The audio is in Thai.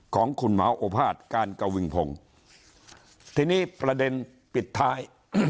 ของคุณหมอโอภาษย์การกวิงพงศ์ทีนี้ประเด็นปิดท้าย